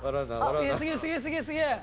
すげえすげえすげえすげえすげえ！